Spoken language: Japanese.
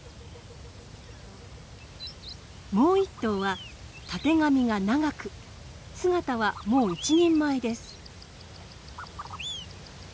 もう１頭はたてがみが長く姿はもう一人前です。